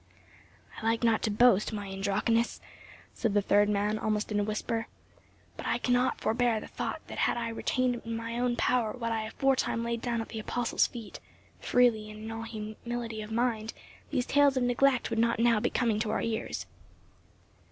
"I like not to boast, my Andronicus," said the third man almost in a whisper, "but I cannot forbear the thought that had I retained in mine own power what I aforetime laid down at the apostles' feet freely and in all humility of mind, these tales of neglect would not now be coming to our ears."